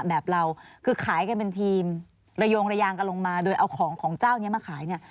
แบบเราคือขายกันเป็นทีมระโยงระยางกันลงมาโดยเอาของของเจ้านี้มาขายเนี่ย